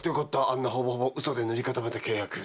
あんなほぼほぼ嘘で塗り固めた契約。